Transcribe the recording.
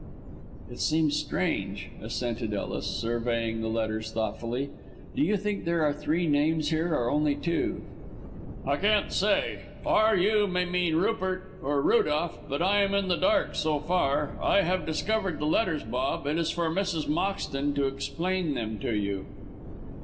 "It seems strange," assented Ellis, surveying the letters thoughtfully. "Do you think there are three names here, or only two?" "I can't say. 'R U' may mean Rupert or Rudolph, but I am in the dark so far. I have discovered the letters, Bob; it is for Mrs. Moxton to explain them to you."